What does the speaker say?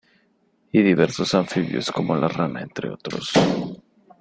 Y diversos anfibios como la rana, entre otros.